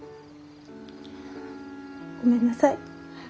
ごめんなさい。